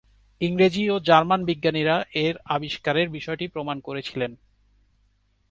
ইংরেজ ও জার্মান বিজ্ঞানীরা এর আবিষ্কারের বিষয়টি প্রমাণ করেছিলেন।